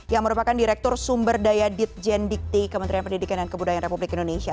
yang merupakan direktur sumber daya ditjen dikti kementerian pendidikan dan kebudayaan republik indonesia